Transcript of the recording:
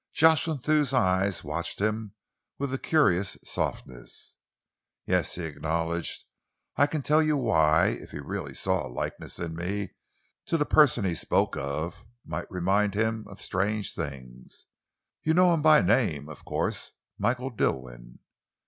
Jocelyn Thew's eyes watched him with a curious softness. "Yes," he acknowledged, "I can tell you why, if he really saw a likeness in me to the person he spoke of, it might remind him of strange things. You know him by name, of course Michael Dilwyn?"